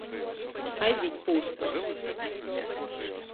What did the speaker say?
Aizīt pūstā.